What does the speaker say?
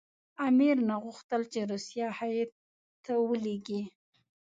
امیر نه غوښتل چې روسیه هېئت ولېږي.